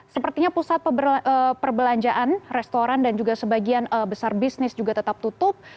sepertinya pusat perbelanjaan restoran dan juga sebagian besar bisnis juga tetap tutup